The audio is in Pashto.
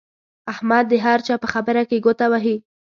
احمد د هر چا په خبره کې ګوته وهي.